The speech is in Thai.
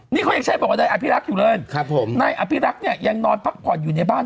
นี่เขายังใช้บอกว่านายอภิรักษ์อยู่เลยครับผมนายอภิรักษ์เนี่ยยังนอนพักผ่อนอยู่ในบ้าน